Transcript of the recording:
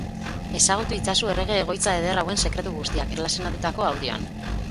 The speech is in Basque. Ezagutu itzazu errege egoitza eder hauen sekretu guztiak erlazionatutako audioan.